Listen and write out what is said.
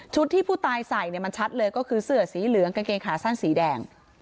ที่ผู้ตายใส่เนี่ยมันชัดเลยก็คือเสื้อสีเหลืองกางเกงขาสั้นสีแดง